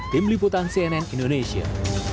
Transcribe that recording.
tim liputan cnn indonesia